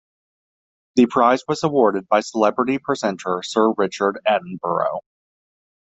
The prize was awarded by celebrity presenter Sir Richard Attenborough.